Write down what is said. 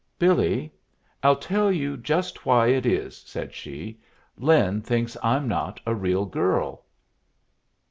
"Billy, I'll tell you just why it is," said she. "Lin thinks I'm not a real girl."